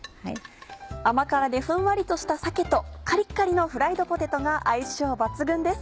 甘辛でふんわりとした鮭とカリッカリのフライドポテトが相性抜群です。